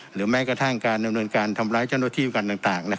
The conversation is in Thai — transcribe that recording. แม้กระทั่งการดำเนินการทำร้ายเจ้าหน้าที่กันต่าง